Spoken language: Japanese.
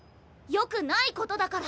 よくないことだから！